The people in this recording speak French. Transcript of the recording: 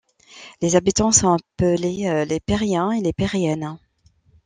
Les habitants sont appelés les Piréens et Piréennes.